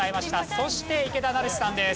そして池田成志さんです。